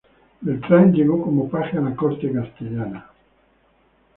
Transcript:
Beltrán llegó como paje a la corte castellana.